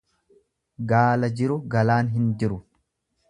Gaala jiru galaan hin jiru.